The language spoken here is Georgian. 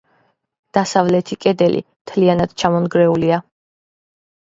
დასავლეთი კედელი მთლიანად ჩამონგრეულია.